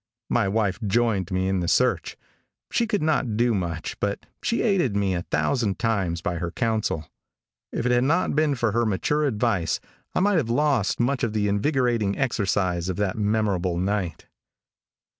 My wife joined me in the search. She could not do much, but she aided me a thousand times by her counsel. If it had not been for her mature advice I might have lost much of the invigorating exercise of that memorable night.